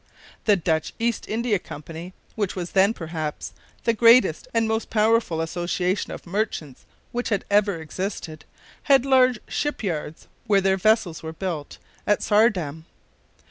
The Dutch East India Company, which was then, perhaps, the greatest and most powerful association of merchants which had ever existed, had large ship yards, where their vessels were built, at Saardam.